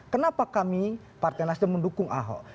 kenapa kami partai nasdem mendukung ahok